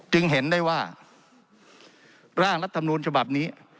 จึงเห็นได้ว่าร่างรัฐมนูลฉบับนี้